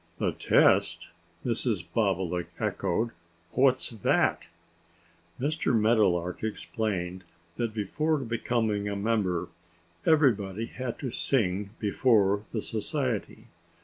"The test!" Mrs. Bobolink echoed. "What's that?" Mr. Meadowlark explained that before becoming a member everybody had to sing before the Society.